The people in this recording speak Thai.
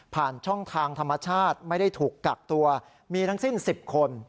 ช่องทางธรรมชาติไม่ได้ถูกกักตัวมีทั้งสิ้น๑๐คน